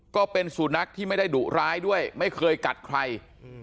ก็เป็นสุนัขที่ไม่ได้ดุร้ายด้วยไม่เคยกัดใคร